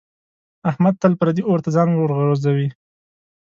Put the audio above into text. احمد تل پردي اور ته ځان ورغورځوي.